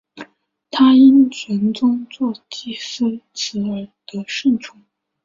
他因为玄宗作祭祀词而得圣宠。